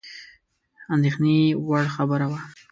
اندېښني وړ خبره وه.